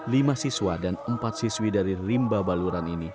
lima siswa dan empat siswi dari rimba baluran ini